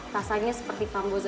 rasanya seperti fambozer